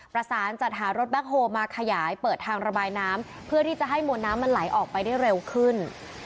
ประสานจัดหารถแบ็คโฮลมาขยายเปิดทางระบายน้ำเพื่อที่จะให้มวลน้ำมันไหลออกไปได้เร็วขึ้น